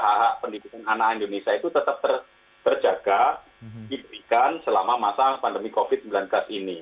hak hak pendidikan anak indonesia itu tetap terjaga diberikan selama masa pandemi covid sembilan belas ini